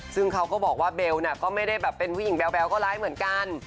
ซึ่งเขาก็บอกว่าเบลก็ไม่ได้แบบเป็นผู้หญิงแบ๊วก็ร้ายเหมือนกัน